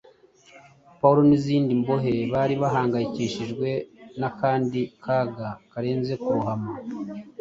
Pawulo n’izindi mbohe bari bahangayikishijwe n’akandi kaga karenze kurohama.